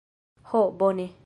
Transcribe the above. Ho bone!